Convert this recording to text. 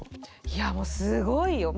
いやもうすごいよ。